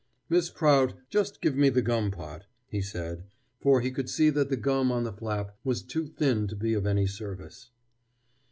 "Miss Prout, just give me the gum pot," he said, for he could see that the gum on the flap was too thin to be of any service.